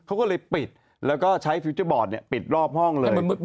เขาก็เลยปิดแล้วก็ใช้ฟิวเจอร์บอร์ดปิดรอบห้องเลย